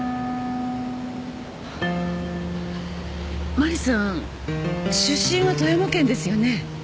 マリさん出身は富山県ですよね？